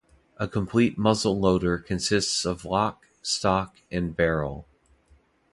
A complete muzzleloader consists of lock, stock, and barrel.